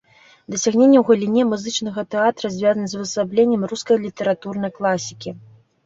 Дасягненні ў галіне музычнага тэатра звязаны з увасабленнем рускай літаратурнай класікі.